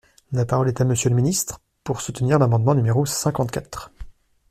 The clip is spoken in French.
La parole est à Monsieur le ministre, pour soutenir l’amendement numéro cinquante-quatre.